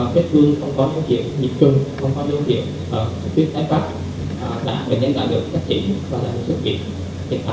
bệnh nhân thường có những triệu chứng như góc bông linh